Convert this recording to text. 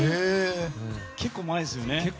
結構、前ですよね。